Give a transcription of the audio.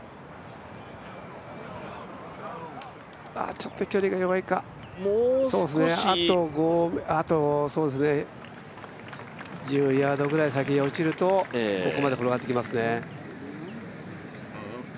ちょっと距離が弱いか、あと１０ヤードくらい先に落ちるとここまで転がってきますね。